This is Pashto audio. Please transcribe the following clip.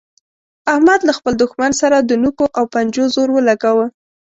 احمد له خپل دوښمن سره د نوکو او پنجو زور ولګاوو.